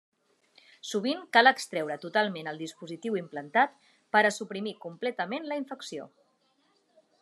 Sovint cal extreure totalment el dispositiu implantat per a suprimir completament la infecció.